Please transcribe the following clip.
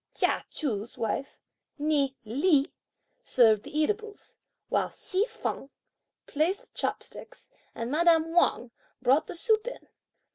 Chia Chu's wife, née Li, served the eatables, while Hsi feng placed the chopsticks, and madame Wang brought the soup in.